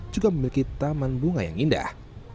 juga memiliki taman bunga yang indah